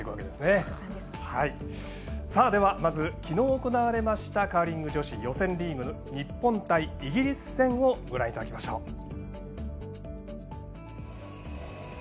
では、まずきのう、行われましたカーリング女子予選リーグ、日本対イギリス戦をご覧いただきましょう。